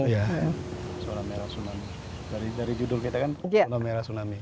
ya zona merah tsunami dari judul kita kan zona merah tsunami